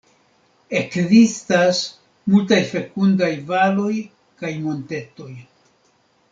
Ekzistas multaj fekundaj valoj kaj montetoj.